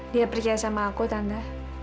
dia percaya sama aku tanda